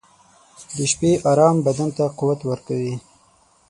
• د شپې ارام بدن ته قوت ورکوي.